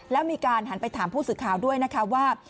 แล้วมีการหันไปถามผู้สื่อข่าวด้วยนะคะว่า